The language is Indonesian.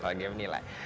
warga yang menilai